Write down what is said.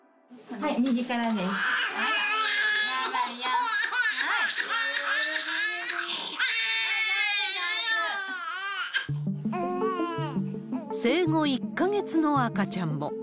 はい、上手、生後１か月の赤ちゃんも。